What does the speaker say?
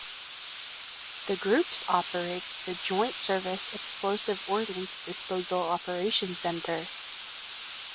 The groups operates the Joint Service Explosive Ordnance Disposal Operations Centre.